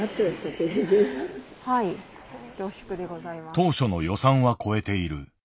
当初の予算は超えている。